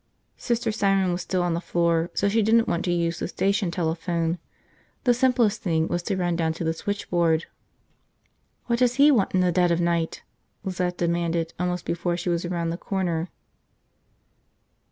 Sister Simon was still on the floor so she didn't want to use the station telephone. The simplest thing was to run down to the switchboard. "What does he want in the dead of night?" Lizette demanded almost before she was around the corner.